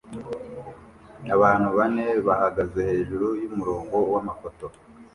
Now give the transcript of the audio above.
Abantu bane bahagaze hejuru yumurongo wamafoto